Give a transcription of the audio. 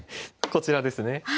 こちらですね。